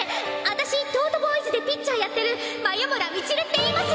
私東斗ボーイズでピッチャーやってる眉村道塁っていいます！